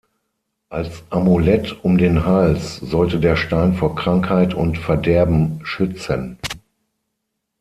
Als Amulett um den Hals sollte der Stein vor Krankheit und Verderben schützen".